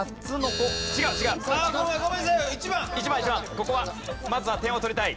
ここはまずは点を取りたい。